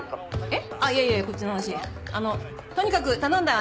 えっいやいやこっちの話あのとにかく頼んだわね。